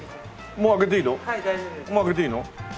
もう開けていいの？